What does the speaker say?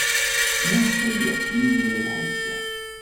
Maɣef ay yeɣs Yidir ad ḥebseɣ?